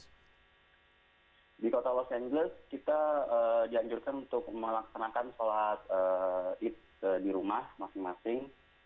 di kota los angeles kita dianjurkan untuk melaksanakan sholat id di rumah masing masing